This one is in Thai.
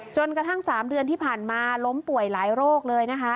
จนกระทั่ง๓เดือนที่ผ่านมาล้มป่วยหลายโรคเลยนะคะ